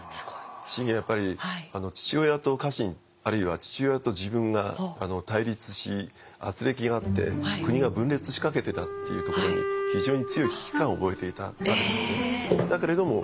信玄はやっぱり父親と家臣あるいは父親と自分が対立し軋轢があって国が分裂しかけてたっていうところに非常に強い危機感を覚えていたわけです。